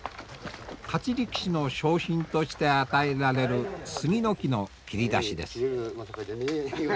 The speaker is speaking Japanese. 勝ち力士の賞品として与えられる杉の木の切り出しです。